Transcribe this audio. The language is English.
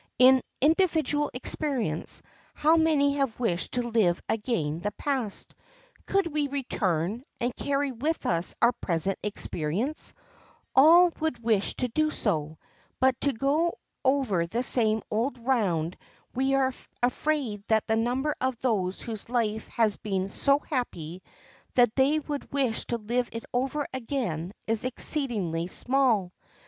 In individual experience how many have wished to live again the past? Could we return, and carry with us our present experience, all would wish to do so, but to go over the same old round we are afraid that the number of those whose life has been so happy that they would wish to live it over again is exceedingly small.